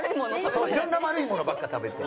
そう色んな丸いものばっか食べて。